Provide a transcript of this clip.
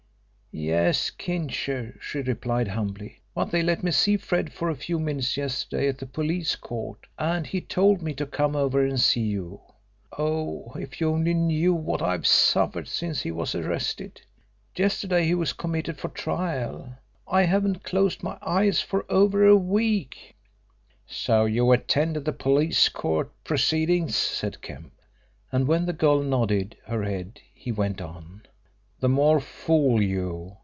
"Yes, Kincher," she replied humbly, "but they let me see Fred for a few minutes yesterday at the police court and he told me to come over and see you. Oh, if you only knew what I've suffered since he was arrested. Yesterday he was committed for trial. I haven't closed my eyes for over a week." "So you attended the police court proceedings?" said Kemp. And when the girl nodded her head he went on, "The more fool you.